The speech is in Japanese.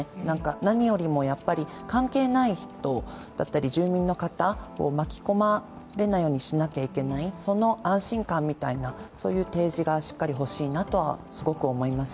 何よりもやっぱり関係ない人だったり住民の方を巻き込まれないようにしなきゃいけない、その安心感みたいな、そういう提示がしっかりほしいなとはすごく思います。